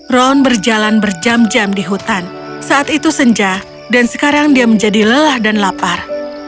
ron berjalan berjam jam di hutan saat itu senja dan sekarang dia menjadi lelah dan lapar